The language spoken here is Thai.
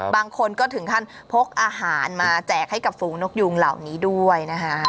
บางคนก็ถึงขั้นพกอาหารมาแจกให้กับฝูงนกยุงเหล่านี้ด้วยนะคะ